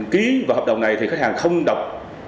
ký vào hợp đồng này thì khách hàng không đọc